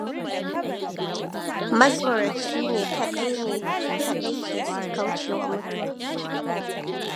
Matsoraci ne kaɗai ne kaɗai ke kaucewa mutuwa.